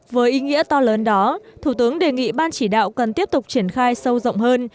với ý nghĩa to lớn đó thủ tướng đề nghị ban chỉ đạo cần tiếp tục triển khai sâu rộng hơn